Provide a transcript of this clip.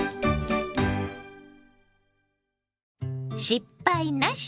「失敗なし！